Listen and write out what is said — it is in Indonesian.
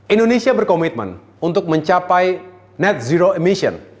indonesia berkomitmen untuk mencapai net zero emission